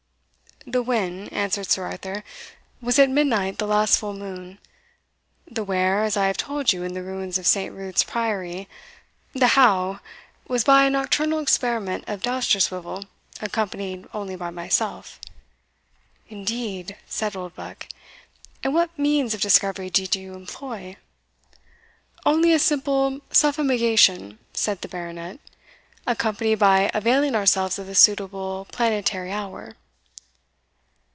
"The when," answered Sir Arthur, "was at midnight the last full moon the where, as I have told you, in the ruins of St. Ruth's priory the how, was by a nocturnal experiment of Dousterswivel, accompanied only by myself." "Indeed!" said Oldbuck; "and what means of discovery did you employ?" "Only a simple suffumigation," said the Baronet, "accompanied by availing ourselves of the suitable planetary hour."